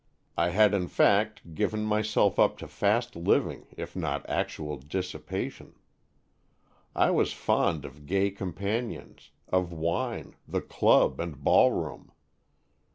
I had in fact given myself up to fast living, if not actual dissipation. I was fond of gay compan ions, of wine, the club, and ballroom.